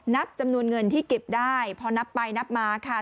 นับจำนวนเงินที่เก็บได้พอนับไปนับมาค่ะ